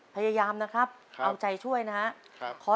พยายามนะครับเอาใจช่วยนะครับ